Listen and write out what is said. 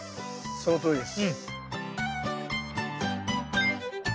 そのとおりです。